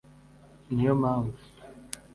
ni yo mpamvu